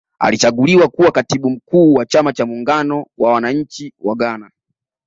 Alichaguliwa kuwa katibu mkuu wa chama cha muungano wa wananchi wa Ghana